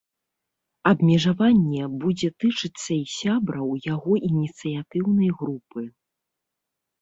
Абмежаванне будзе тычыцца і сябраў яго ініцыятыўнай групы.